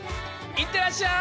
いってらっしゃい！